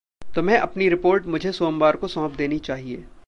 तुम्हे अपनी रिपोर्ट मुझे सोमवार को सौंप देनी चाहिए।